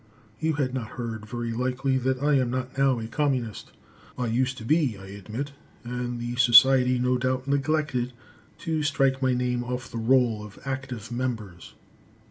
You had not heard, very likely, that I am not now a Communist. I used to be, I admit, and the society no doubt neglected to strike my name off the roll of active members.